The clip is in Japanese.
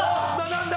何だ！？